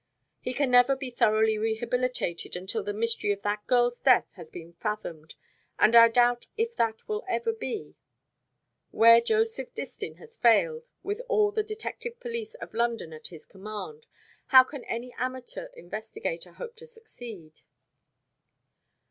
He can never be thoroughly rehabilitated until the mystery of that girl's death has been fathomed, and I doubt if that will ever be. Where Joseph Distin has failed, with all the detective police of London at his command, how can any amateur investigator hope to succeed?"